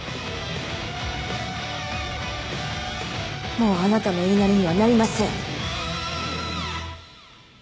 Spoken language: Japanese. もうあなたの言いなりにはなりません。